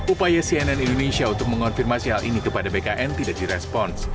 upaya cnn indonesia untuk mengonfirmasi hal ini kepada bkn tidak direspons